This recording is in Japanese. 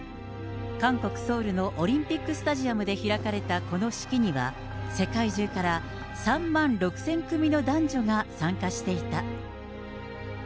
韓国・ソウルのオリンピックスタジアムで開かれたこの式には、世界中から３万６０００組の男女が参加していた。